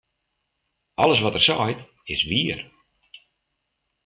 Alles wat er seit, is wier.